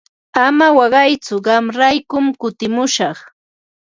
Ama waqaytsu qamraykum kutimushaq.